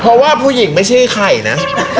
เพราะว่าผู้หญิงไม่ใช่ไข่นะ